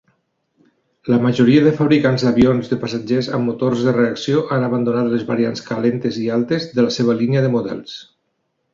La majoria de fabricants d'avions de passatgers amb motors de reacció han abandonat les variants "calentes i altes" de la seva línia de models.